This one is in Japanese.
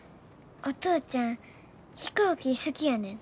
お父ちゃん飛行機好きやねん。